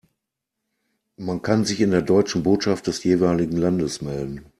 Man kann sich in der deutschen Botschaft des jeweiligen Landes melden.